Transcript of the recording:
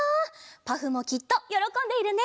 パフもきっとよろこんでいるね。